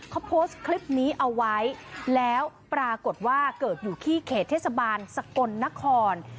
เขาโพสต์คลิปนี้เอาไว้แล้วปรากฏว่าเกิดอยู่ที่เขตเทศบาลสกลนคร